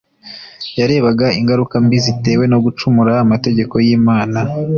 Yarebaga ingaruka mbi zitewe no gucumura amategeko y'Imana,